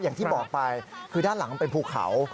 อย่างที่บอกไปคือด้านหลังเป็นภูเขา